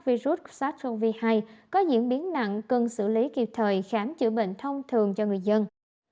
virus sars cov hai có diễn biến nặng cần xử lý kịp thời khám chữa bệnh thông thường cho người dân